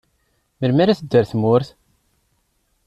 Melmi ara teddu ɣer tmurt?